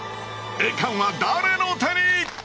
栄冠は誰の手に⁉・